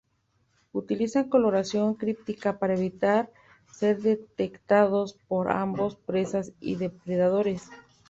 Utilizan coloración críptica para evitar ser detectados por ambos presas y depredadores.